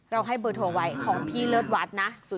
เราให้เบอร์โทรไว้ของพี่เลิฟวัดนะ๐๙๕๐๔๑๓๑๐๙